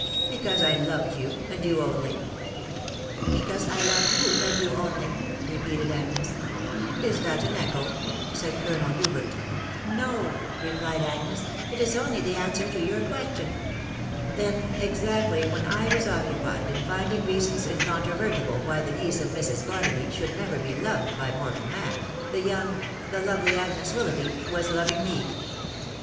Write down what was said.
"Because I loved you, w\d ^ow. w\Vj." ••' Because I loved you, and ^ow. wtoj" wj«»tak " Is that an echo?" said CoWei ItataA*. ' THE WIDOW BARNABY. 4>tfo " No !" replied Agnes ...." it is only the answer to your question." " Then, exactly when I was occupied in finding reasons in controvertible why the niece of Mrs. Barnaby should never be loved by mortal man, the young, the lovely Agnes Willoughby was loving me